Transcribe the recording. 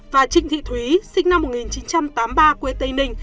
và trịnh thị thúy sinh năm một nghìn chín trăm tám mươi ba quê tây ninh